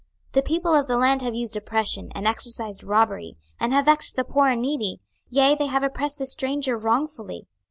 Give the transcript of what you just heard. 26:022:029 The people of the land have used oppression, and exercised robbery, and have vexed the poor and needy: yea, they have oppressed the stranger wrongfully.